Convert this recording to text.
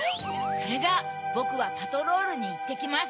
それじゃあぼくはパトロールにいってきます。